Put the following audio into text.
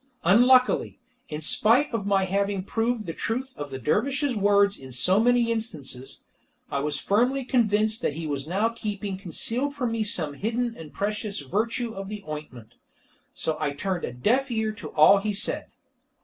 Unluckily, in spite of my having proved the truth of the dervish's words in so many instances, I was firmly convinced that he was now keeping concealed from me some hidden and precious virtue of the ointment. So I turned a deaf ear to all he said.